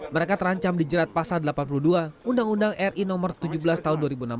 mereka terancam dijerat pasal delapan puluh dua undang undang ri no tujuh belas tahun dua ribu enam belas